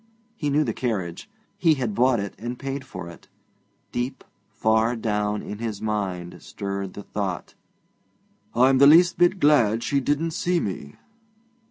He knew the carriage; he had bought it and paid for it. Deep, far down, in his mind stirred the thought: 'I'm just the least bit glad she didn't see me.'